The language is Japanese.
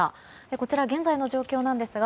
こちら現在の状況なんですが